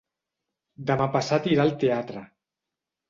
Demà passat irà al teatre.